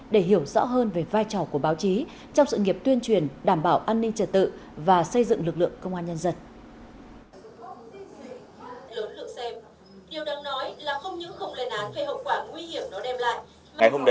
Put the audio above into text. để hiểu rõ hơn về vai trò của báo chí trong sự nghiệp tuyên truyền đảm bảo an ninh trật tự và xây dựng lực lượng công an nhân dân